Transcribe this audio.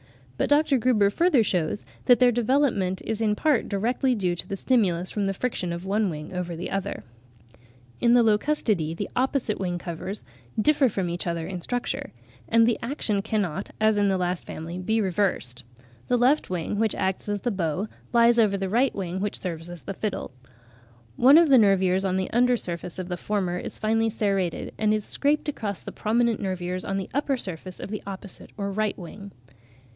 But Dr. Gruber further shews that their development is in part directly due to the stimulus from the friction of one wing over the other. [Fig.13. Chlorocoelus Tanana (from Bates). a,b. Lobes of opposite wing covers.] In the Locustidae the opposite wing covers differ from each other in structure (Fig. 13), and the action cannot, as in the last family, be reversed. The left wing, which acts as the bow, lies over the right wing which serves as the fiddle. One of the nervures (a) on the under surface of the former is finely serrated, and is scraped across the prominent nervures on the upper surface of the opposite or right wing.